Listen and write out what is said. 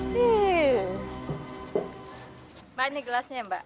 mbak ini gelasnya mbak